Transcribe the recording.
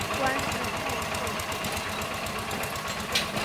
馆试后授检讨。